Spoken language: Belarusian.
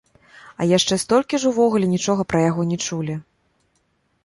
А яшчэ столькі ж увогуле нічога пра яго не чулі.